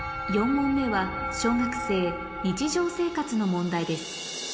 ４問目は小学生日常生活の問題です